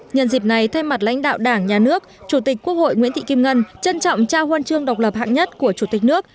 nhân dịp này thay mặt lãnh đạo đảng nhà nước chủ tịch quốc hội nguyễn thị kim ngân trân trọng trao huân chương độc lập hạng nhất của chủ tịch nước